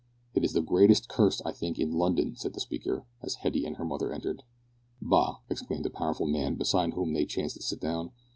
"It is the greatest curse, I think, in London," said the speaker, as Hetty and her mother entered. "Bah!" exclaimed a powerful man beside whom they chanced to sit down.